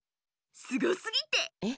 すごすぎてえっ？